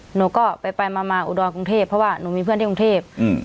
หนูก็ไปไปมามาอุดรกรุงเทพเพราะว่าหนูมีเพื่อนที่กรุงเทพ